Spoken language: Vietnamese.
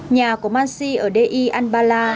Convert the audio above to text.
nhà của mansi ở deir al bala